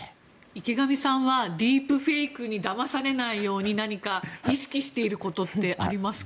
池上さんはディープフェイクにだまされないように何か意識していることはありますか？